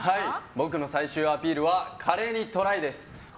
僕の最終アピールは華麗にトレイです。